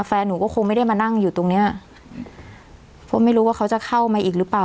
แฟนหนูก็คงไม่ได้มานั่งอยู่ตรงเนี้ยเพราะไม่รู้ว่าเขาจะเข้ามาอีกหรือเปล่า